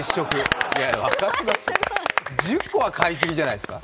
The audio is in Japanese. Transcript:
分かります、１０個は買いすぎじゃないですか？